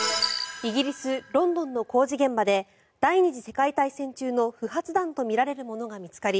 イギリス・ロンドンの工事現場で第２次世界大戦中の不発弾とみられるものが見つかり